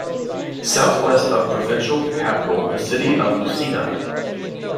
Southeast of provincial Capital, the city of Lucena.